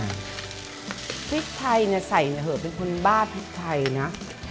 มันงามเหมือนกันนะพริกไทยใส่เถอะเป็นคนบ้าพริกไทยนะ